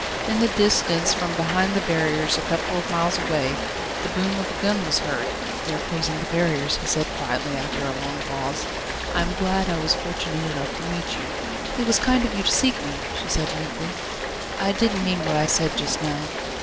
In the distance, from behind the barriers, a couple of miles away, the boom of a gun was heard. "They are closing the barriers," he said quietly after a long pause. "I am glad I was fortunate enough to meet you." "It was kind of you to seek for me," she said meekly. "I didn't mean what I said just now